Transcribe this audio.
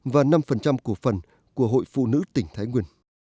và năm cổ phần của hội phụ nữ tỉnh thái nguyên